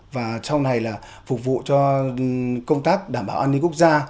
và phục vụ cho công tác đảm bảo an ninh quốc gia